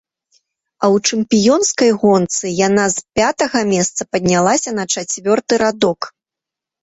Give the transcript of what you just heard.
А ў чэмпіёнскай гонцы яна з пятага месца паднялася на чацвёрты радок.